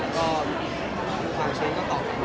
เราก็ถามเขา๗๓เข้าแล้ว